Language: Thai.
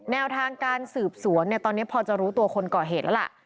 แนวทางการสืบสวนเนี่ยตอนนี้พอจะรู้ตัวคนก่อเหตุแล้วล่ะ